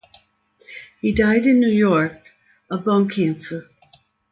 He died in New York of bone cancer.